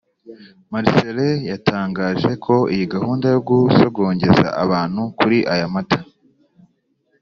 Marcellin yatangaje ko iyi gahunda yo gusogongeza abantu kuri aya amata